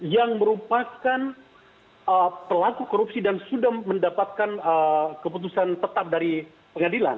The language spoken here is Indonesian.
yang merupakan pelaku korupsi dan sudah mendapatkan keputusan tetap dari pengadilan